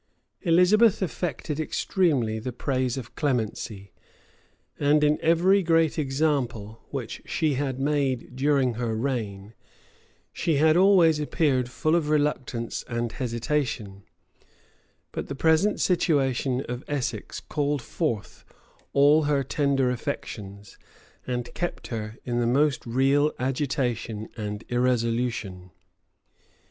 Elizabeth affected extremely the praise of clemency; and in every great example which she had made during her reign, she had always appeared full of reluctance and hesitation: but the present situation of Essex called forth all her tender affections, and kept her in the most real agitation and irresolution.